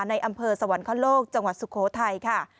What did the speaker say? ในอำเภอสวรรคโลกจังหวัดสุโขทัยค่ะ